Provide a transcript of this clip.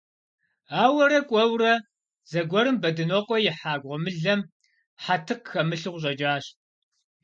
Ауэрэ кӀуэурэ, зэгуэрым Бэдынокъуэ ихьа гъуэмылэм хьэтыкъ хэмылъу къыщӀэкӀащ.